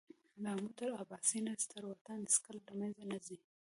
له آمو تر اباسینه ستر وطن هېڅکله له مېنځه نه ځي.